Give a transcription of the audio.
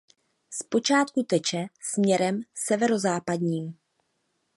Zpočátku teče směrem severozápadním.